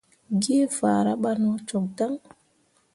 Geefahra ɓah no cok dan.